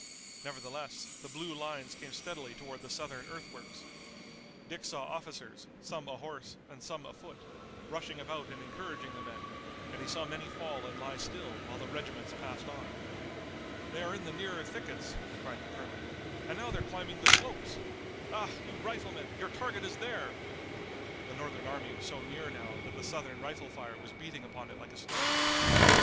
Nevertheless the blue lines came steadily toward the Southern earthworks. Dick saw officers, some ahorse, and some afoot, rushing about and encouraging the men, and he saw many fall and lie still while the regiments passed on. "They are in the nearer thickets," cried the colonel, "and now they're climbing the slopes! Ah, you riflemen, your target is there!" The Northern army was so near now that the Southern rifle fire was beating upon it like a storm.